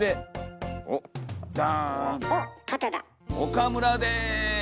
岡村です！